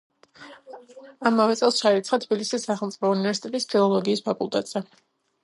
ამავე წელს ჩაირიცხა თბილისის სახელმწიფო უნივერსიტეტის ფილოლოგიის ფაკულტეტზე.